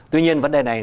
tuy nhiên vấn đề này